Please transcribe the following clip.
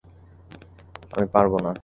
আমি পারবো না!